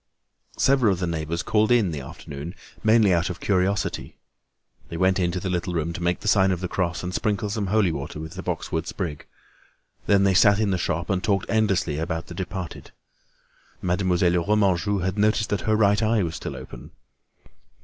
Several of the neighbors called in the afternoon, mainly out of curiosity. They went into the little room to make the sign of the cross and sprinkle some holy water with the boxwood sprig. Then they sat in the shop and talked endlessly about the departed. Mademoiselle Remanjou had noticed that her right eye was still open.